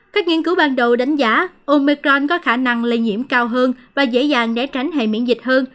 các nghiên cứu ban đầu đánh giá omecron có khả năng lây nhiễm cao hơn và dễ dàng để tránh hệ miễn dịch hơn